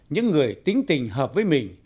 những người tính tình hợp với mình